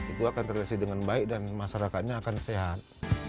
itu akan terrealisasi dengan baik dan masyarakatnya akan sehat